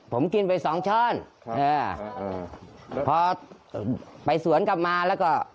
ผมกินไป๒ช้อนพอไปสวนกลับมาแล้ว